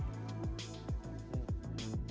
dengan bakso malamnya